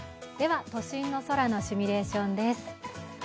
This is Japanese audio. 都心の空のシミュレーションです。